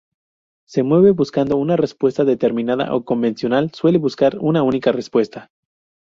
Se mueve buscando una respuesta determinada o convencional, suele buscar una única respuesta.